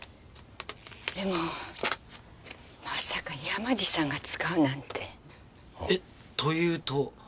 でもまさか山路さんが使うなんて。え？というと？